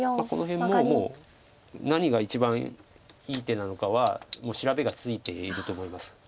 この辺ももう何が一番いい手なのかはもう調べがついていると思います